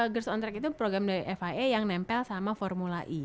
girls on track itu program dari fia yang nempel sama formula e